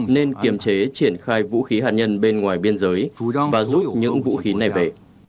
nên kiềm chế triển khai vũ khí hạt nhân bên ngoài biên giới và rút những vũ khí này về